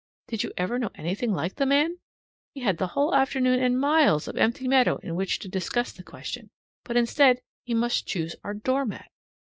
Did you ever know anything like the man? He had the whole afternoon and miles of empty meadow in which to discuss the question, but instead he must choose our door mat!